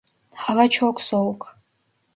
Hava çok soğuk.